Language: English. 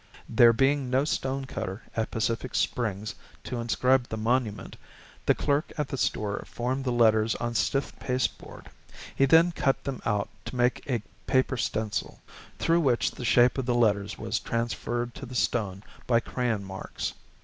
There being no stonecutter at Pacific Springs to inscribe the monument, the clerk at the store formed the letters on stiff pasteboard. He then cut them out to make a paper stencil, through which the shape of the letters was transferred to the stone by crayon marks.